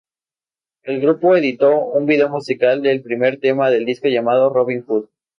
El grupo editó un vídeo musical del primer tema del disco llamado "Robin Hood".